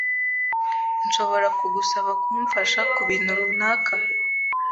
Nshobora kugusaba kumfasha kubintu runaka?